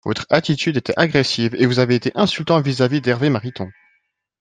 Votre attitude était agressive et vous avez été insultant vis-à-vis d’Hervé Mariton.